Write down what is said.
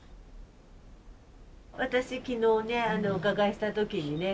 私昨日ねお伺いした時にね。